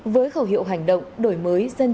với khẩu hiệu hành động đổi mới dân chủ đoàn công an